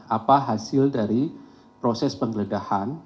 apa hasil dari proses penggeledahan